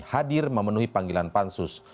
hadir memenuhi panggilan pansus